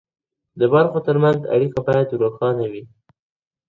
د برخو ترمنځ اړیکه باید روښانه وي.